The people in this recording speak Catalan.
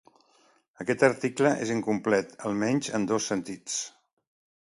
Aquest article és incomplet, almenys en dos sentits.